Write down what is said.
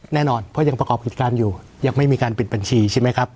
แน่นอนเพราะยังประกอบกิจการอยู่ยังไม่มีการปิดบัญชีใช่ไหมครับ